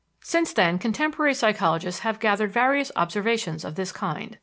Since then contemporary psychologists have gathered various observations of this kind.